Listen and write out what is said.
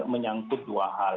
menyangkut dua hal